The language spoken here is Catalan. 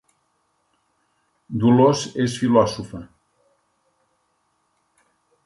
Dolors és filòsofa